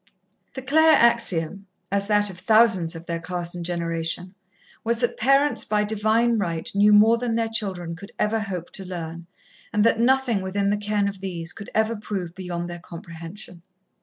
The Claire axiom, as that of thousands of their class and generation, was that parents by Divine right knew more than their children could ever hope to learn, and that nothing within the ken of these could ever prove beyond their comprehension.